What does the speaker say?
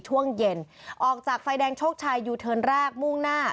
ช่วงเย็นออกจากไฟแดงโชคชัยยูเทิร์นแรกมุ่งหน้า